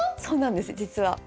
そうなんです実は。